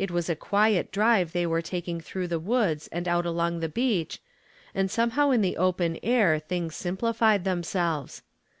It was a quiet drive they were taking through the woods and out along the beach, and somehow in the open air things simplified themselves.